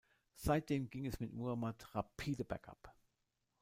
Seitdem ging es mit Muhammad rapide bergab.